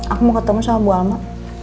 aku mau ketemu sama bu ama